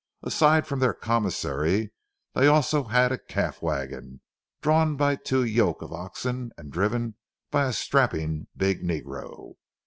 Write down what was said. Aside from their commissary, they also had a calf wagon, drawn by two yoke of oxen and driven by a strapping big negro.